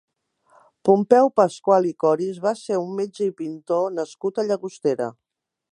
Pompeu Pascual i Coris va ser un metge i pintor nascut a Llagostera.